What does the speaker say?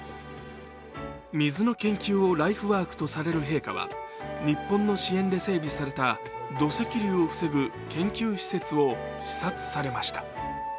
水の研究をライフワークとされる陛下は日本の支援で整備された土石流を防ぐ研究施設を視察されました。